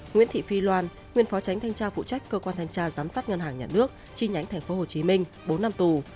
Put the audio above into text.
nguyễn thị phi loan nguyên phó tránh thanh tra phụ trách cơ quan thanh tra giám sát ngân hàng nhà nước chi nhánh tp hcm bốn năm tù